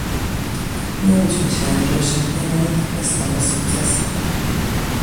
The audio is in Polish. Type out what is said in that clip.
Nie łudźmy się, że osiągniemy natychmiastowe sukcesy